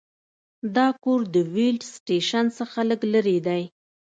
دا کور د ویلډ سټیشن څخه لږ لرې دی